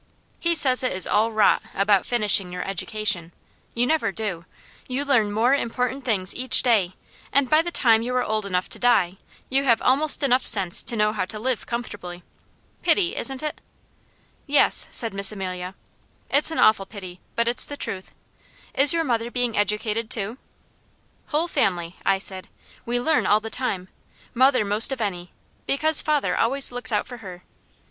He says it is all rot about 'finishing' your education. You never do. You learn more important things each day, and by the time you are old enough to die, you have almost enough sense to know how to live comfortably. Pity, isn't it?" "Yes," said Miss Amelia, "it's an awful pity, but it's the truth. Is your mother being educated too?" "Whole family," I said. "We learn all the time, mother most of any, because father always looks out for her.